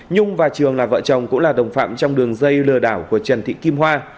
nhung và trường là vợ chồng cũng là đồng phạm trong đường dây lừa đảo của trần thị kim hoa